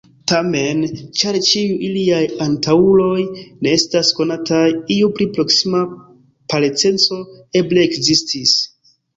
Tamen, ĉar ĉiuj iliaj antaŭuloj ne estas konataj, iu pli proksima parenceco eble ekzistis.